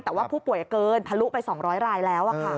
แต่ว่าผู้ป่วยเกินทะลุไป๒๐๐รายแล้ว